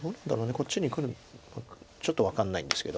こっちにくるのかちょっと分かんないんですけど。